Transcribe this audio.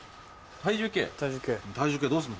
体重計どうするの？